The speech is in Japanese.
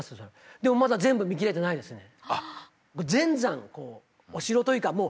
でもまだ全部見きれてないですね。